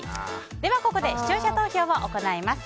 では、ここで視聴者投票を行います。